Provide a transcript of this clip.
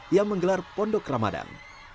yang menggelar pondok ramadan